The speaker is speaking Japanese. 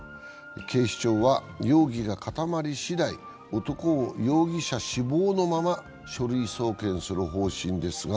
警視庁は容疑が固まりしだい、男を容疑者死亡のまま書類送検する方針です。